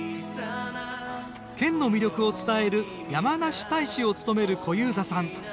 県の魅力を伝える「やまなし大使」を務める小遊三さん。